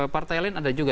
partai lain ada juga